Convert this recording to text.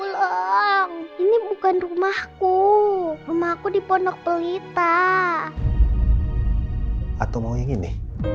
enggak makan om mau pulang ini bukan rumahku rumahku di pondok pelita atau mau yang ini